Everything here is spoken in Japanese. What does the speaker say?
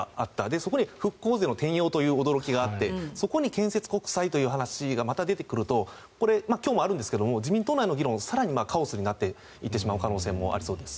そこに復興税の転用という驚きがあってそこに建設国債という話がまた出てくると今日もあるんですが自民党内の議論が更にカオスになっていく可能性もありそうです。